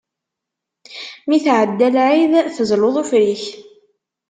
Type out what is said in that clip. Mi tɛedda lɛid, tezluḍ ufrik.